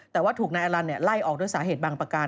แต่ว่าถูกนายอลันไล่ออกด้วยสาเหตุบางประการ